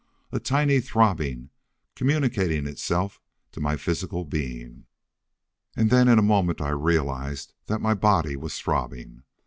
A tiny throbbing, communicating itself to my physical being. And then in a moment I realized that my body was throbbing.